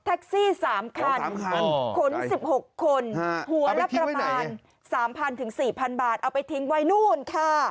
แท็กซี่๓คันขน๑๖คนหัวรักษรรพาณ๓๐๐๐๔๐๐๐บาทเอาไปทิ้งไว้นู่นค่ะ